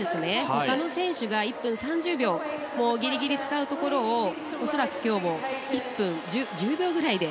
他の選手が１分３０秒ギリギリ使うところを恐らく今日も１分１０秒ぐらいで。